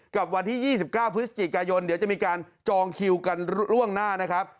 กับวันที่๒๙พฤศจิกายนเดี๋ยวจะมีการจองคิวกันล่วงหน้านะครับ